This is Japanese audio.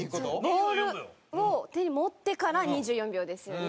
ボールを手に持ってから２４秒ですよね。